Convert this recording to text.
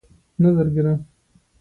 کور کې مو خیریت دی، ان شاءالله